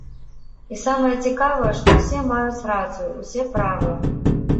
І самае цікавае, што ўсе маюць рацыю, усе правыя.